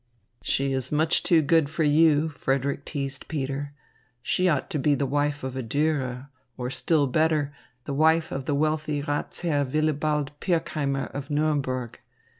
"She is much too good for you," Frederick teased Peter. "She ought to be the wife of a Dürer, or still better, the wife of the wealthy Ratsherr Willibald Pirkheimer of Nuremberg.